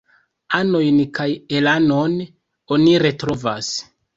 Anojn kaj elanon oni retrovas.